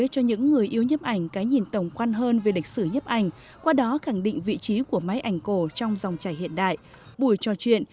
có những yếu tố nhất là rộng và rất nhiều phong cảnh hoa đẹp